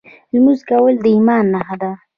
لمونځ کول د ایمان نښه ده .